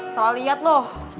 salah liat lo